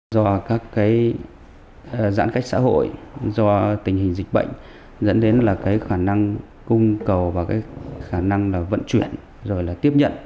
do các cái giãn cách xã hội do tình hình dịch bệnh dẫn đến là cái khả năng cung cầu và cái khả năng là vận chuyển rồi là tiếp nhận